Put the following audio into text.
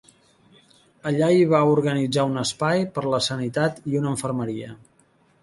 Allà hi va organitzar un espai per a la sanitat i una infermeria.